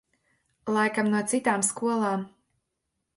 Laikam no citām skolām.